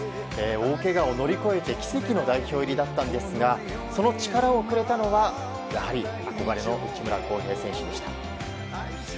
大けがを乗り越えて奇跡の代表入りだったんですがその力をくれたのはやはり憧れの内村航平選手でした。